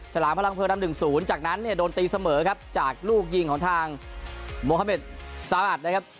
ฉลามพลังเพอร์นำ๑๐จากนั้นเนี่ยโดนตีเสมอครับจากลูกยิงของทางโมฮาเมดซาอัดนะครับ